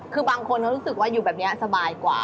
คือบางคนเขารู้สึกว่าอยู่แบบนี้สบายกว่า